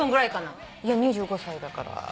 いや２５歳だから。